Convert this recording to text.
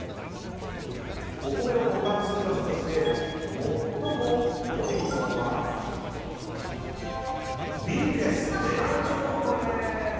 お米を保管する場所として最も良いのはＢです、冷蔵庫です。